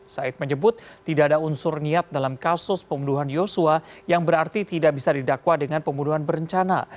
said menyebut tidak ada unsur niat dalam kasus pembunuhan yosua yang berarti tidak bisa didakwa dengan pembunuhan berencana